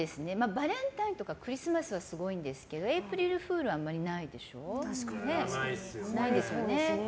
バレンタインとかクリスマスはすごいんですけどエイプリルフールはやらないですよね。